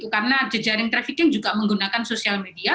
karena jejaring trafficking juga menggunakan sosial media